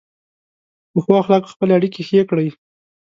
په ښو اخلاقو خپلې اړیکې ښې کړئ.